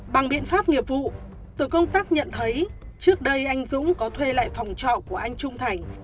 bằng biện pháp nghiệp vụ tổ công tác nhận thấy trước đây anh dũng có thuê lại phòng trọ của anh trung thành